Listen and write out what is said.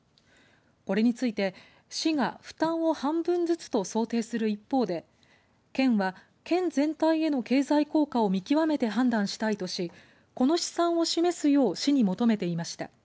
これについて、市が負担を半分ずつと想定する一方で県は、県全体への経済効果を見極めて判断したいとしこの試算を示すよう市に求めていました。